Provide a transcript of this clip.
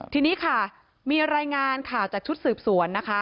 ทีนี้ค่ะมีรายงานข่าวจากชุดสืบสวนนะคะ